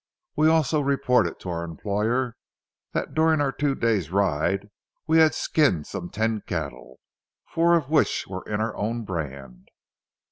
We also reported to our employer that during our two days' ride, we had skinned some ten cattle, four of which were in our own brand.